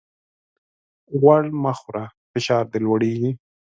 غوړ مه خوره ! فشار دي لوړېږي.